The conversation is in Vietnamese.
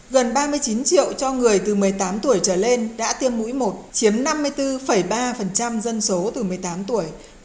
gần ba mươi chín triệu cho người từ một mươi tám tuổi trở lên đã tiêm mũi một chiếm năm mươi bốn ba dân số từ một mươi tám tuổi